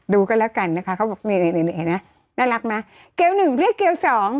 ดูกันแล้วกันนะคะเขาบอกเนี่ยน่ารักนะเกลียวหนึ่งเรียกเกลียวสอง